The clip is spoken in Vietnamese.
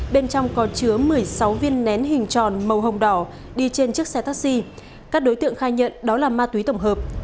bên trong có chứa một mươi sáu viên nén hình tròn màu hồng đỏ đi trên chiếc xe taxi các đối tượng khai nhận đó là ma túy tổng hợp